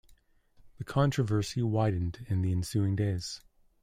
The controversy widened in the ensuing days.